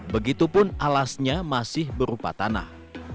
begitupun alasnya masih berupa tanah